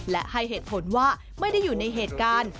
และให้เหตุผลว่าไม่ได้อยู่ในเหตุการณ์